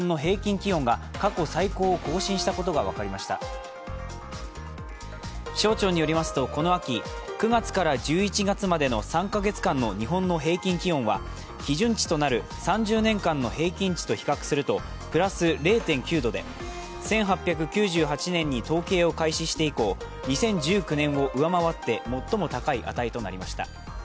気象庁によりますとこの秋９月から１１月までの３か月間の日本の平均気温は基準値となる３０年間の平均値と比較するとプラス０．９度で１８９８年に統計を開始して以降２０１９年を上回って最も高い値となりました。